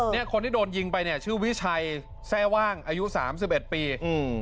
เนี่ยคนที่โดนยิงไปเนี่ยชื่อวิชัยแทร่ว่างอายุสามสิบเอ็ดปีอืม